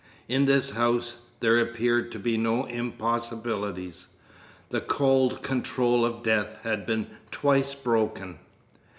In this house there appeared to be no impossibilities. The cold control of death had been twice broken.